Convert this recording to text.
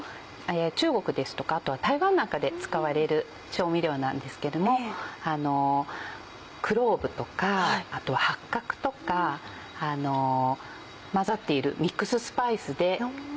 中国ですとかあとは台湾なんかで使われる調味料なんですけどもクローブとか八角とか混ざっているミックススパイスで。